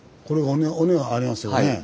これ尾根がありますよね。